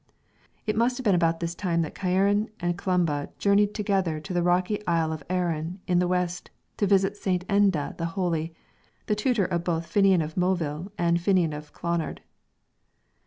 It must have been also about this time that Ciaran and Columba journeyed together to the rocky Isle of Aran in the west, to visit St. Enda the Holy, the tutor of both Finnian of Moville and Finnian of Clonard.